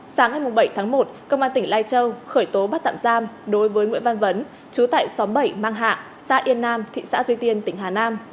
sáng ngày bảy tháng một công an tỉnh lai châu khởi tố bắt tạm giam đối với nguyễn văn vấn chú tại xóm bảy mang hạ xã yên nam thị xã duy tiên tỉnh hà nam